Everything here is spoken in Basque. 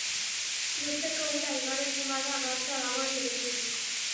Lurpeko ura igarotzen bada gatza dagoen lekutik